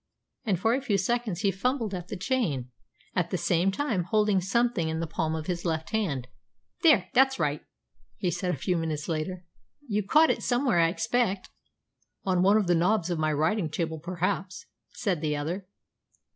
And for a few seconds he fumbled at the chain, at the same time holding something in the palm of his left hand. "There, that's right," he said a few minutes later. "You caught it somewhere, I expect." "On one of the knobs of my writing table perhaps," said the other.